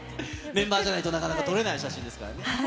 メンバーじゃないとなかなか撮れない写真ですからね。